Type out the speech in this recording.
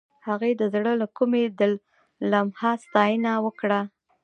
هغې د زړه له کومې د لمحه ستاینه هم وکړه.